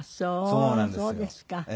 そうですか。